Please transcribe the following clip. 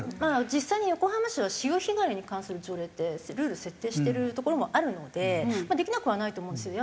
実際に横浜市は潮干狩りに関する条例ってルール設定してるところもあるのでできなくはないと思うんですよ。